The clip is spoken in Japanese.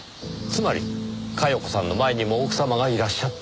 つまり加世子さんの前にも奥様がいらっしゃった。